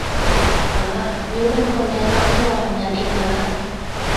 อ๋า นิ้วเป็นคนแนะนำให้เราทำงั้นเองน้า